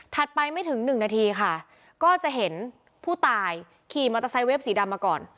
ไปไม่ถึงหนึ่งนาทีค่ะก็จะเห็นผู้ตายขี่มอเตอร์ไซค์เวฟสีดำมาก่อน